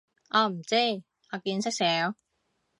我唔知，我見識少